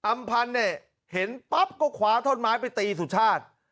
อำพันธ์เนี่ยเห็นปั๊บก็คว้าท่อนไม้ไปตีสุชาติ